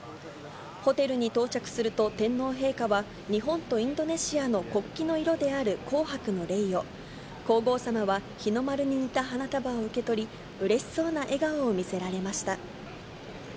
ホテルに到着すると、天皇陛下は日本とインドネシアの国旗の色である紅白のレイを、皇后さまは日の丸に似た花束を受け取り、うれしそうな笑顔を見せられました。